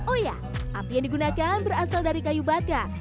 oh ya api yang digunakan berasal dari kayu bakar